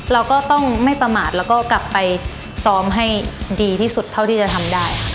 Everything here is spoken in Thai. เราก็ต้องไม่ประมาทแล้วก็กลับไปซ้อมให้ดีที่สุดเท่าที่จะทำได้ค่ะ